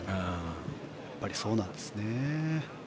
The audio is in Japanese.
やっぱりそうなんですね。